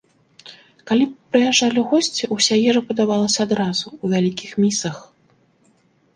Калі прыязджалі госці, уся ежа падавалася адразу, у вялікіх місах.